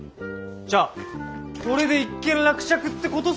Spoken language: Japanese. じゃあこれで一件落着ってことっすね。